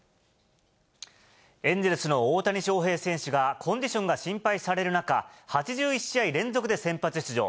エンゼルスの大谷翔平選手が、コンディションが心配される中、８１試合連続で先発出場。